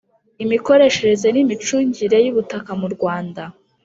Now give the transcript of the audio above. imikoreshereze n imicungire y ubutaka mu Rwanda